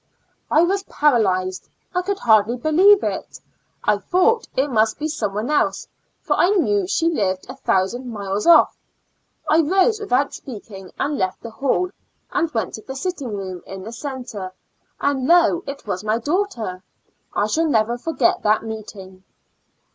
I was paralyzed — I could hardl}^ believe it — I thouo'ht it must be some one else, for I knew she lived a thousand miles off. I rose without speaking and left the hall and went to the sitting room in the center, and lo it was my daughter. I shajl never for get that meeting.